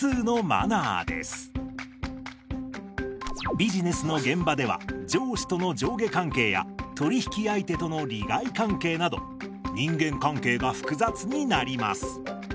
ビジネスの現場では上司との上下関係や取り引き相手との利害関係など人間関係が複雑になります。